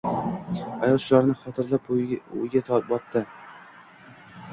Ayol shularni xotirlab o`yga botdi